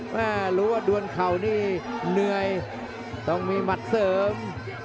ไม่รู้ว่าดวนเข่านี่เหนื่อยต้องมีหมัดเสริม